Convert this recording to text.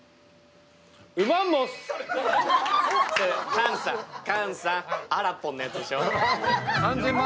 菅さん、菅さん、あらぽんのやつでしょ。